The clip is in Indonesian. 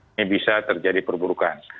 ini bisa terjadi perburukan